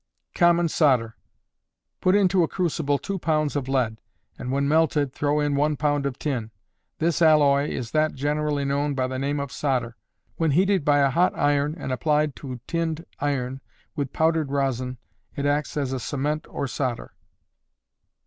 Common Solder. Put into a crucible 2 lbs. of lead, and when melted throw in 1 lb. of tin. This alloy is that generally known by the name of solder. When heated by a hot iron and applied to tinned iron with powdered rosin, it acts as a cement or solder.